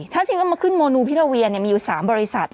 ถ้าทีมก็มาขึ้นโมนูพิราเวียมีอยู่๓บริษัท